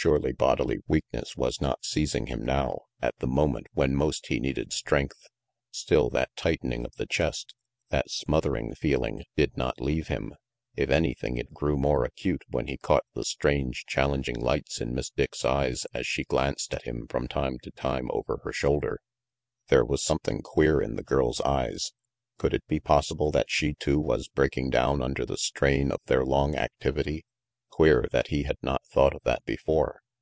Surely bodily weakness was not seizing him now, at the moment when most he needed strength. Still, that tightening of the chest, that smothering feeling did not leave him if anything it grew more acute when he caught the strange, challenging lights in Miss Dick's eyes as she glanced at him from time to time over her shoulder. There was something queer in the girl's eyes. Could it be possible that she, too, was breaking down under the strain of their long activity? Queer that he had not thought of that before.